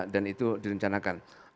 dan itu direncanakan